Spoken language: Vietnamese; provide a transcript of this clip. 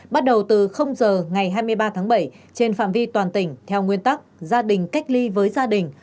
bắt đầu từ giờ ngày hai mươi ba tháng bảy trên phạm vi toàn tỉnh theo nguyên tắc gia đình cách ly với gia đình